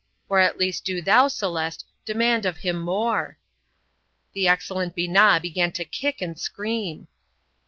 Or at least do thou, Celeste, demand of him more." The excellent Binat began to kick and scream.